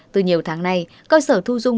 từ nhiều tháng nay cơ sở thu dung